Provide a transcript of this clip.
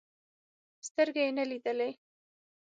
سترګې يې نه لیدلې.